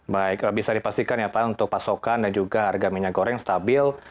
baik bisa dipastikan ya pak untuk pasokan dan juga harga minyak goreng stabil